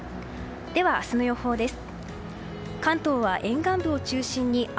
では、明日の予報です。